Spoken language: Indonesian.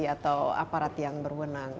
atau aparat yang berwenang